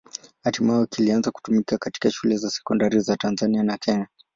Hatimaye kilianza kutumika katika shule za sekondari za Tanzania na Kenya.